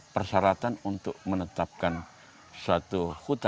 persyaratan untuk menetapkan suatu hutan